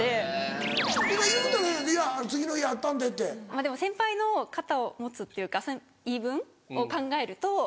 でも先輩の肩を持つっていうか言い分？を考えると。